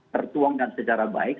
tertuangkan secara baik